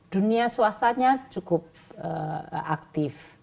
dunia swastanya cukup aktif